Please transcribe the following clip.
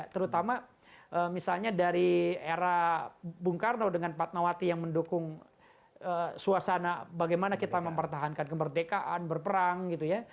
terutama misalnya dari era bung karno dengan pak tnawati yang mendukung suasana bagaimana kita mempertahankan kemerdekaan berperang